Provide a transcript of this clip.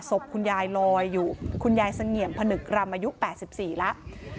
ศพคุณยายลอยอยู่คุณยายเสงี่ยมผนึกรำอายุ๘๔แล้ว